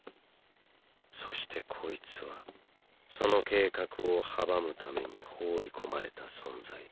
そしてこいつはその計画を阻むために放り込まれた存在だ。